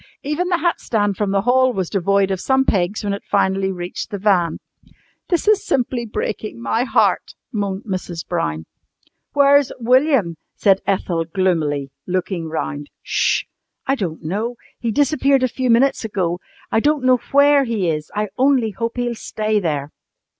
Even the hat stand from the hall was devoid of some pegs when it finally reached the van. "This is simply breaking my heart," moaned Mrs. Brown. "Where's William?" said Ethel, gloomily, looking round. "'Sh! I don't know. He disappeared a few minutes ago. I don't know where he is. I only hope he'll stay there!"